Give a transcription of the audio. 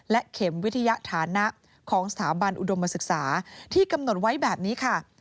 เข็มวิทยาฐานะของสถาบันอุดมศึกษาที่กำหนดไว้แบบนี้ค่ะ